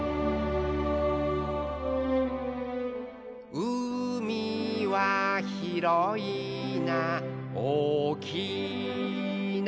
「うみはひろいなおおきいな」